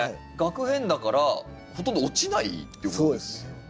萼片だからほとんど落ちないっていうことですよね。